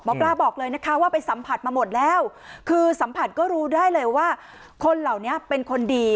ป้าบอกเลยนะคะว่าไปสัมผัสมาหมดแล้วคือสัมผัสก็รู้ได้เลยว่าคนเหล่านี้เป็นคนดี